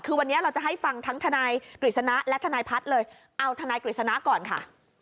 คือวันนี้เราจะให้ฟังทั้งทนายกฤษณะและทนายพัฒน์เลยเอาทนายกฤษณะก่อนค่ะ